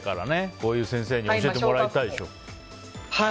こういう先生に教えてもらいたいでしょ。